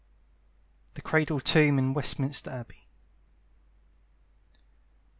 THE CRADLE TOMB IN WESTMINSTER ABBEY.